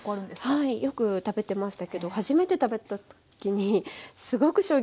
はいよく食べてましたけど初めて食べたときにすごく衝撃を受けました。